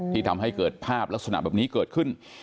ทำให้เกิดภาพลักษณะแบบนี้เกิดขึ้น